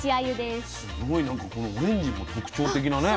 すごいなんかこのオレンジの特徴的なね